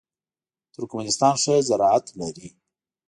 ترکمنستان ښه زراعت لري.